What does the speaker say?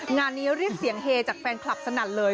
งานนี้เรียกเสียงเฮจากแฟนคลับสนั่นเลย